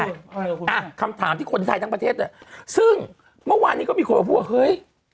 อ่ะคำถามที่คนไทยทั้งประเทศเนี่ยซึ่งเมื่อวานนี้ก็มีคนมาพูดว่าเฮ้ย